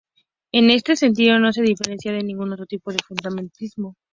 En este sentido no se diferencia de ningún otro tipo de fundamentalismo.